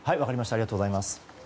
ありがとうございます。